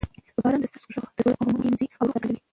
د باران د څاڅکو غږ د زړه غمونه وینځي او روح تازه کوي.